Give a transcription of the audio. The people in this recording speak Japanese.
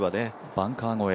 バンカー越え